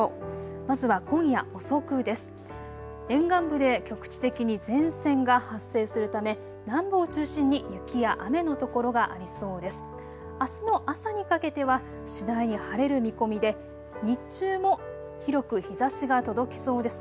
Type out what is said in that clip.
まずは今夜遅くです。